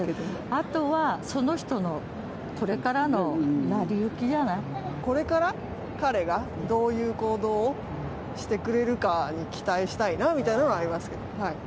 あとはその人のこれからの成り行これから、彼がどういう行動をしてくれるかに期待したいなみたいなのはありますけど。